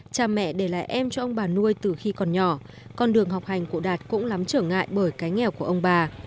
cha mẹ để lại em cho ông bà nuôi từ khi còn nhỏ con đường học hành của đạt cũng lắm trở ngại bởi cái nghèo của ông bà